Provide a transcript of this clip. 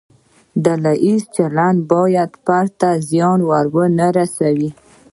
ډله ییز چلند باید فرد ته زیان ونه رسوي.